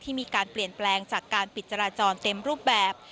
มีการเปลี่ยนแปลงจากการปิดจราจรเต็มรูปแบบ